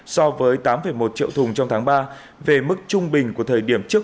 so với tám một triệu thùng trong tháng ba về mức trung bình của thời điểm trước